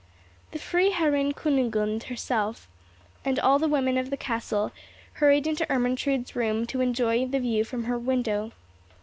The Freiherrinn Kunigunde herself, and all the women of the castle, hurried into Ermentrude's room to enjoy the view from her window.